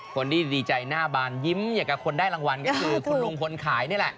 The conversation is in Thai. คนที่ดีใจหน้าบานยิ้มอย่างกับคนได้รางวัลก็คือคุณลุงคนขายนี่แหละ